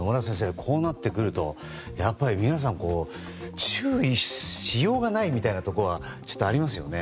こうなってくると皆さん、注意しようがないみたいなところがありますよね。